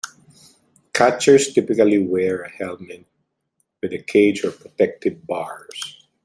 Catchers typically wear a helmet with a cage or protective bars.